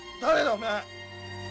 お前。